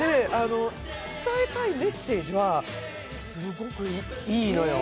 伝えたいメッセージはすごくいいのよ。